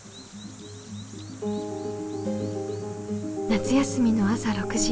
夏休みの朝６時。